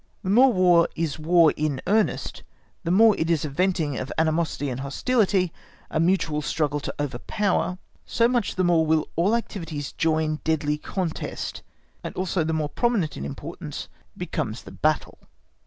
The more War is War in earnest, the more it is a venting of animosity and hostility, a mutual struggle to overpower, so much the more will all activities join deadly contest, and also the more prominent in importance becomes the battle.